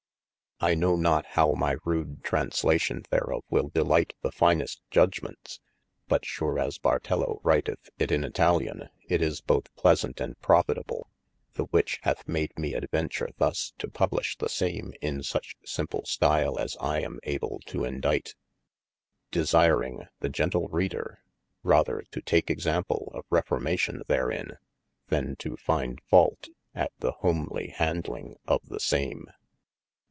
I knowe not howe my rude translation thereof wyll delight the finest judgementes : But sure as Bartello writteth it in Italian, it is both pleasaunt and profitable : the which hath made mee adventure thus to publishe the same in such simple style as I am able to endite : Desiring the gentle reader, rather to take example of reformation therein, then to finde faulte at the homelye handling of the same.